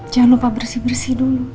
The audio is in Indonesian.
jangan lupa bersih bersih dulu